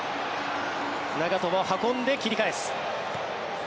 長友が運んで切り返す。